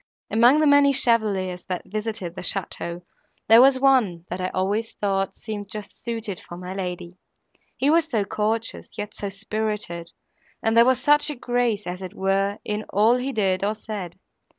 Among the many chevaliers, that visited at the château, there was one, that I always thought seemed just suited for my lady; he was so courteous, yet so spirited, and there was such a grace, as it were, in all he did, or said.